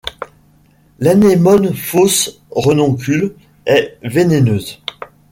L'anémone fausse renoncule est vénéneuse.